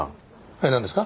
はいなんですか？